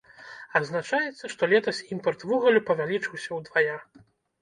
Адзначаецца, што летась імпарт вугалю павялічыўся ўдвая.